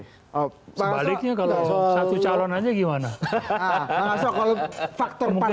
sebaliknya kalau satu calon aja gimana